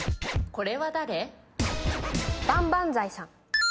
これは誰？